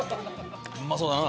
うまそうだな。